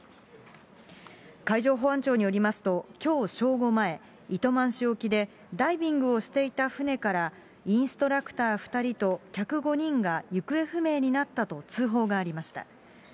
海上保安庁によりますと、きょう正午前、糸満市沖で、ダイビングをしていた船から、インストラクター２人と客５人が行方不明になったと通報がありました。